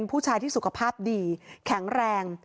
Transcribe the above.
ผู้ชายที่สุขภาพดีแข็งแรง